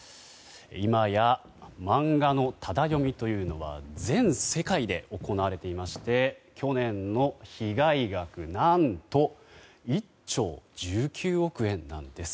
今や、漫画のタダ読みというのは全世界で行われていまして去年の被害額、何と１兆１９億円なんです。